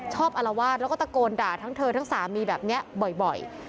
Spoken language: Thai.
อารวาสแล้วก็ตะโกนด่าทั้งเธอทั้งสามีแบบนี้บ่อย